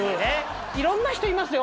いろんな人いますよ。